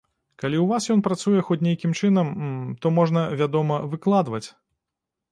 Калі ў вас ён працуе хоць нейкім чынам, то можна, вядома, выкладваць.